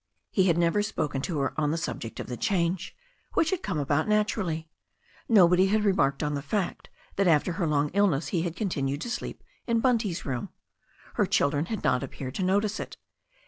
He had never spoken to her on the sub ject of the change, which had come about naturally. Nobody had remarked on the fact that after her long illness he had continued to sleep in Bunty's room. Her children had not appeared to notice it.